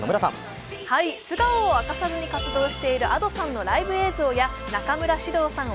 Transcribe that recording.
素顔を明かさずに活動しているＡｄｏさんのライブ映像や中村獅童さん